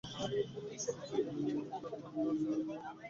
সুচিদিদিকে নিয়ে তাঁর ওখানে আজ একবার যাব?